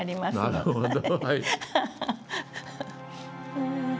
なるほど。